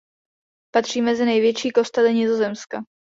Patří mezi největší kostely Nizozemska.